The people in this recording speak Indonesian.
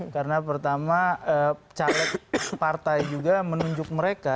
karena pertama caleg partai juga menunjuk mereka